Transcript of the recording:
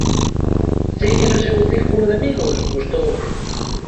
Sei que no seu círculo de amigos, gustou.